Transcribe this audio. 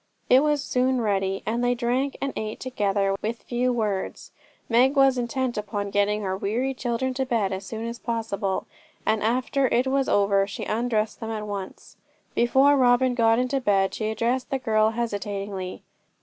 It was soon ready, and they drank and ate together, with few words. Meg was intent upon getting her weary children to bed as soon as possible, and after it was over she undressed them at once. Before Robin got into bed she addressed the girl hesitatingly.